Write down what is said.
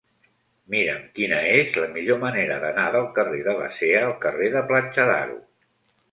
Mira'm quina és la millor manera d'anar del carrer de Basea al carrer de Platja d'Aro.